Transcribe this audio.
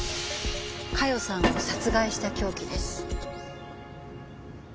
加代さんを殺害した凶器です。